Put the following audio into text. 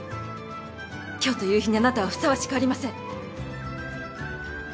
今日という日にあなたはふさわしくありません。